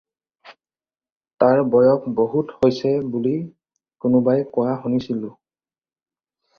তাৰ বয়স বহুত হৈছে বুলি কোনোবাই কোৱা শুনিছিলোঁ।